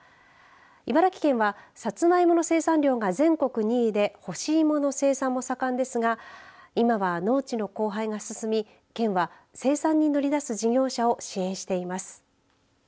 茨城県はさつまいもの生産量が全国２位で干しいもの生産も盛んですが今は農地の荒廃が進み県は生産に乗り出す事業者を支援しています。